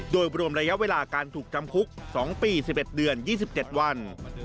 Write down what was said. โดยรวมระยะเวลาการถูกจำคุก๒ปี๑๑เดือน๒๗วัน